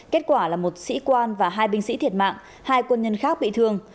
kết quả là một sĩ quan và hai binh sĩ thiệt mạng hai quân nhân khác bị thương